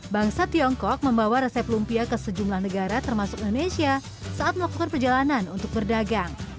bangsa tiongkok membawa resep lumpia ke sejumlah negara termasuk indonesia saat melakukan perjalanan untuk berdagang